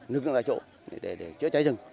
lực lượng tại chỗ để chữa cháy rừng